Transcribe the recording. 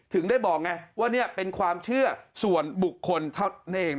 ถึงได้บอกไงว่านี่เป็นความเชื่อส่วนบุคคลเท่านั้นเอง